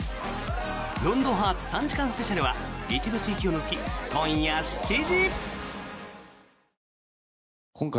「ロンドンハーツ」３時間スペシャルは一部地域を除き、今夜７時。